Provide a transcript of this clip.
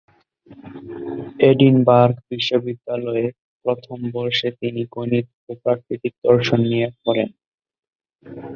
Edinburgh বিশ্ববিদ্যালয়ে প্রথম বর্ষে তিনি গণিত ও প্রাকৃতিক দর্শন নিয়ে পড়েন।